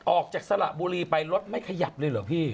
ออกจากสละบุรีไปรถไม่ขยับเลยเหรอพี่